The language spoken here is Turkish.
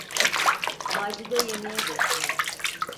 Macide yemeğe bekliyor!